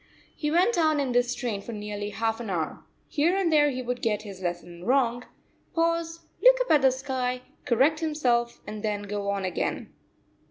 He went on in this strain for nearly half an hour. Here and there he would get his lesson wrong, pause, look up at the sky, correct himself, and then go on again.